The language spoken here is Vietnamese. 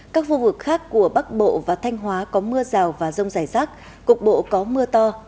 các khu vực khác của bắc bộ và thanh hóa có mưa rào và rông rải rác cục bộ có mưa to